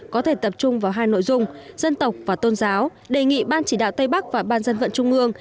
có thể tập trung vào hai nội dung dân tộc và tôn giáo đề nghị ban chỉ đạo tây bắc và ban dân vận trung ương